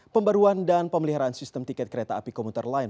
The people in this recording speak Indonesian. pembaruan dan pemeliharaan sistem tiket kereta api komuter lain